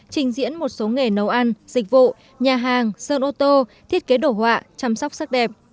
trình diễn một số nghề nấu ăn dịch vụ nhà hàng sơn ô tô thiết kế đổ họa chăm sóc sắc đẹp